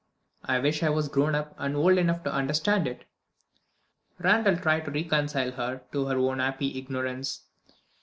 I wish I was grown up, and old enough to understand it." Randal tried to reconcile her to her own happy ignorance.